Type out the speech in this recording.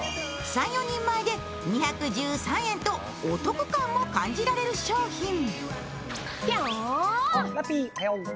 ３４人前で２１３円とお得感も感じられる商品。